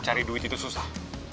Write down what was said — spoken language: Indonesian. cari duit itu susah